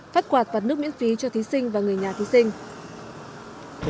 phát quạt và nước miễn phí cho thí sinh và người nhà thí sinh